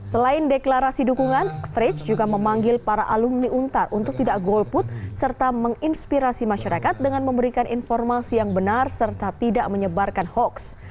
selain deklarasi dukungan fritch juga memanggil para alumni untar untuk tidak golput serta menginspirasi masyarakat dengan memberikan informasi yang benar serta tidak menyebarkan hoax